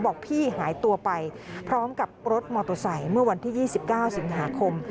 บอกพี่หายตัวไปพร้อมกับรถมอเตอร์ไซค์เมื่อวันที่๒๙สิงหาคม